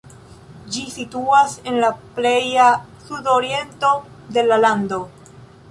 Ĝi situas en la pleja sudoriento de la lando.